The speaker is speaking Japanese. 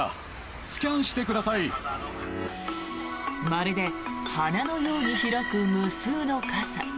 まるで花のように開く無数の傘。